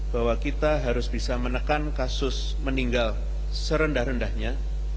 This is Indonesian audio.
bahwa kita harus bisa menekan kasus meninggal serendah rendahnya